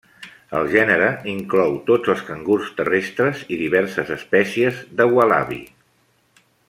El gènere inclou tots els cangurs terrestres i diverses espècies de ualabi.